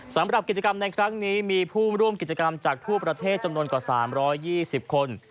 สำหรับกิจกรรมในครั้งนี้มีผู้ร่วมกิจกรรมจากทั่วประเทศจำนวนกว่า๓๒๐คน